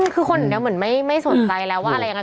คือคนเดี๋ยวมันไม่สนใจแล้วอะไรอย่างนั้น